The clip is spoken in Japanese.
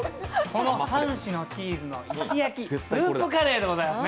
この３種チーズの石焼きスープカレでございます。